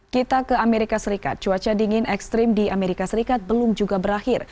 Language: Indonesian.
kita ke amerika serikat cuaca dingin ekstrim di amerika serikat belum juga berakhir